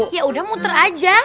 ya udah muter aja